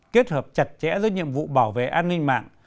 kết hợp chặt chẽ giữa nhiệm vụ bảo vệ an ninh mạng